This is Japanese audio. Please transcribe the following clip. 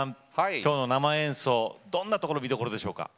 きょうの生演奏、どんなところが見どころでしょうか。